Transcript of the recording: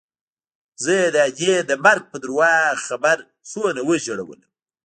زه يې د ادې د مرګ په درواغ خبر څومره وژړولوم.